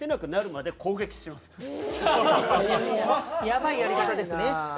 やばいやり方ですね。